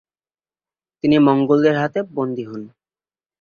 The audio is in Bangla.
তিনি মঙ্গোলদের হাতে বন্দী হন।